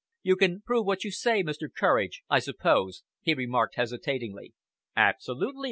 "You can prove what you say, Mr. Courage, I suppose?" he remarked hesitatingly. "Absolutely!"